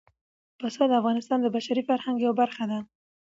پسه د افغانستان د بشري فرهنګ یوه برخه ده.